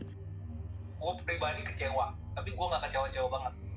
gue pribadi kecewa tapi gue nggak kecewa kecewa banget